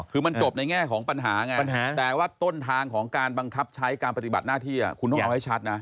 คือมันจบในแง่ของปัญหาไงปัญหาแต่ว่าต้นทางของการบังคับใช้การปฏิบัติหน้าที่คุณต้องเอาให้ชัดนะ